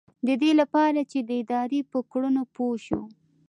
ددې لپاره چې د ادارې په کړنو پوه شو.